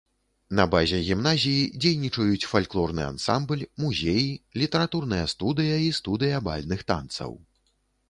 На базе гімназіі дзейнічаюць фальклорны ансамбль, музеі, літаратурная студыя і студыя бальных танцаў.